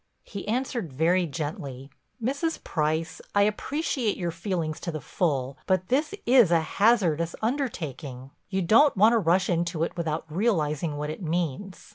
He answered very gently: "Mrs. Price, I appreciate your feelings to the full, but this is a hazardous undertaking. You don't want to rush into it without realizing what it means.